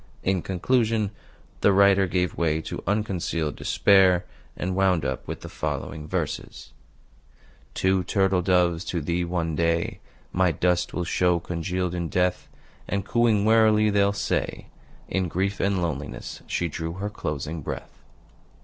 In conclusion, the writer gave way to unconcealed despair, and wound up with the following verses: "Two turtle doves to thee, one day, My dust will show, congealed in death; And, cooing wearily, they'll say: 'In grief and loneliness she drew her closing breath.